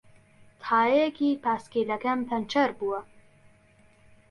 تایەیەکی پایسکلەکەم پەنچەر بووە.